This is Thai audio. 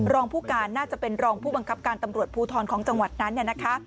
รองผู้การน่าจะเป็นรองผู้บังคับการตำรวจภูทรของจังหวัดนั้นเนี่ยนะคะ